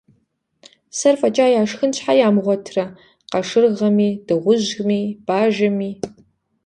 Сэр фӀэкӀа яшхын щхьэ ямыгъуэтрэ къашыргъэми, дыгъужьми, бажэми?